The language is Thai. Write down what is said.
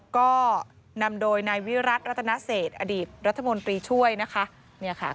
ก็นำโดยนายวิรัติรัตนเศษอดีตรัฐมนตรีช่วยนะคะ